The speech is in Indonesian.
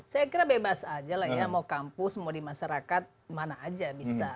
saya kira bebas aja lah ya mau kampus mau di masyarakat mana aja bisa